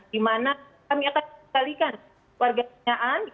di mana kami akan menjalinkan warga penyiaan